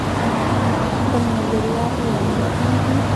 خپل نظريات وړاندې کړي دي